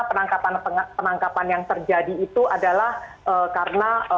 tentang bagaimana penangkapan penangkapan yang terjadi itu adalah karena